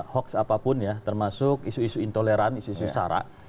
hoax apapun ya termasuk isu isu intoleran isu isu sara